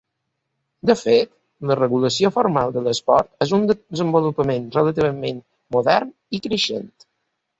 De fet, la regulació formal de l'esport és un desenvolupament relativament modern i creixent.